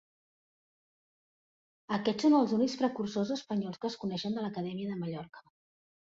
Aquests són els únics precursors espanyols que es coneixen de l'Acadèmia de Mallorca.